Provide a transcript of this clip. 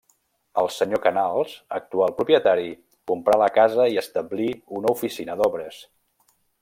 El senyor Canals, actual propietari, comprà la casa i establí una oficina d'obres.